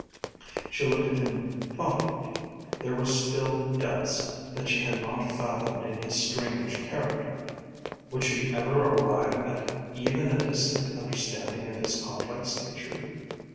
She looked at him thoughtfully. There were still depths that she had not fathomed in his strange character. Would she ever arrive at even a distant understanding of his complex nature?